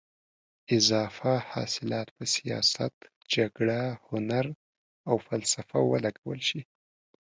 اضافه حاصلات په سیاست، جګړه، هنر او فلسفه ولګول شول.